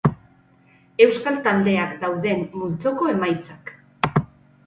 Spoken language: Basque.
Euskal taldeak dauden multzoko emaitzak.